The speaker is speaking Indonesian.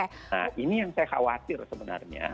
nah ini yang saya khawatir sebenarnya